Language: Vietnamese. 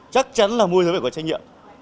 chắc chắn là môi giới phải có trách nhiệm